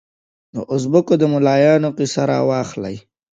د اوزبکو د ملایانو قضیه راواخلې.